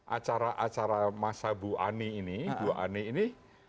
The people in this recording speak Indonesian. acara acara masa ibu ani ini ibu ani ini